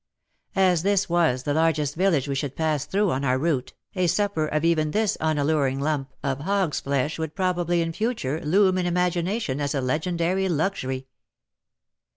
As this was the largest village we should pass through on our route, a supper of even this unalluring lump of 8o WAR AND WOMEN hog*s flesh would probably in future, loom in imagination as a legendary luxury.